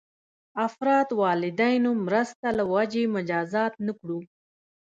افراد والدینو مرسته له وجې مجازات نه کړو.